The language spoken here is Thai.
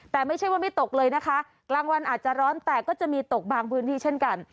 แต่ไม่ใช่ว่าไม่ตกเลยนะคะกลางวันอาจจะร้อนแต่ก็จะมีตกบางพื้นที่เช่นกัน